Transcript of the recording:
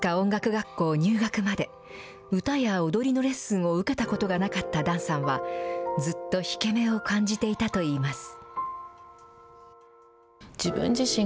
学校入学まで、歌や踊りのレッスンを受けたことがなかった檀さんは、ずっと引け目を感じていたといいます。